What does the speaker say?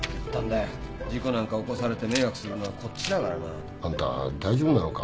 事故なんか起こされて迷惑するのはこっちだからなあんた大丈夫なのか？